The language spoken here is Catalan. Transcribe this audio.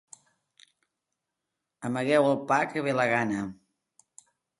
Amagueu el pa, que ve la gana.